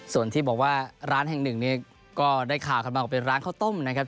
ส่วนที่บอกว่าร้านแห่งหนึ่งเนี่ยก็ได้ข่าวกันมาว่าเป็นร้านข้าวต้มนะครับ